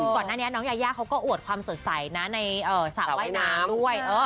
ก่อนหน้านี้น้องยายาเขาก็อวดความสดใสนะในสระว่ายน้ำด้วย